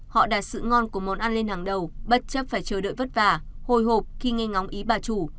họ đạt sự ngon của món ăn lên hàng đầu bất chấp phải chờ đợi vất vả hồi hộp khi nghe ngóng ý bà chủ